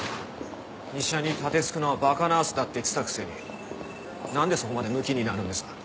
医者に盾突くのは馬鹿ナースだって言ってたくせになんでそこまでムキになるんですか？